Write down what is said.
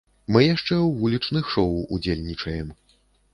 Мы яшчэ ў вулічных шоў удзельнічаем.